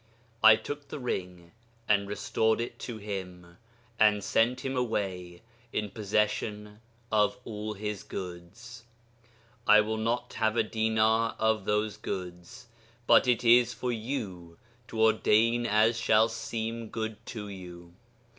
I took the ring and restored it to him, and sent him away in possession of all his goods.... I will not have a dinar of those goods, but it is for you to ordain as shall seem good to you....